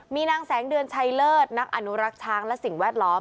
มีนางแสงเดือนชัยเลิศนักอนุรักษ์ช้างและสิ่งแวดล้อม